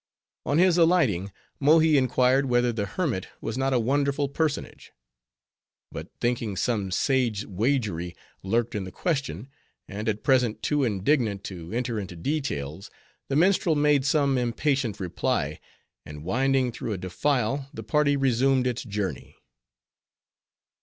On his alighting, Mohi inquired whether the hermit was not a wonderful personage. But thinking some sage waggery lurked in the question; and at present too indignant to enter into details, the minstrel made some impatient reply; and winding through a defile, the party resumed its journey.